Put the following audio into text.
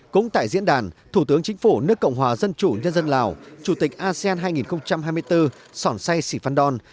cũng tại diễn đàn thủ tướng chính phủ nước cộng hòa dân chủ nhân dân lào chủ tịch asean hai nghìn hai mươi bốn sòn say sì phan đòn